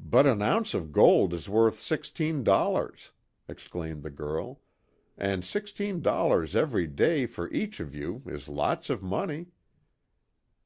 "But an ounce of gold is worth sixteen dollars!" exclaimed the girl, "And sixteen dollars every day for each of you is lots of money."